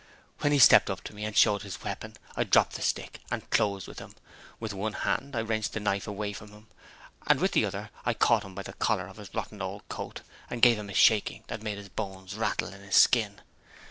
When he stepped up to me, and showed his weapon, I dropped the stick, and closed with him. With one hand I wrenched the knife away from him; and with the other I caught him by the collar of his rotten old coat, and gave him a shaking that made his bones rattle in his skin.